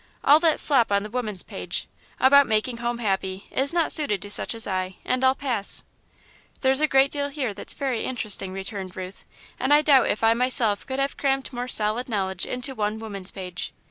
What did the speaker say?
All that slop on the Woman's Page, about making home happy, is not suited to such as I, and I'll pass." "There's a great deal here that's very interesting," returned Ruth, "and I doubt if I myself could have crammed more solid knowledge into one Woman's Page.